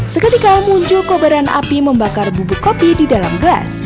seketika muncul kobaran api membakar bubuk kopi di dalam gelas